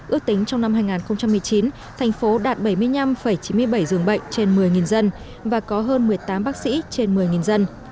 ước tính trong năm hai nghìn một mươi chín thành phố đạt bảy mươi năm chín mươi bảy dường bệnh trên một mươi dân và có hơn một mươi tám bác sĩ trên một mươi dân